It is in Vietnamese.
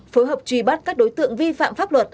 phối hợp truy bắt các đối tượng vi phạm pháp luật